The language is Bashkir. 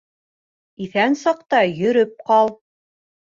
Иҫән саҡта йөрөп ҡал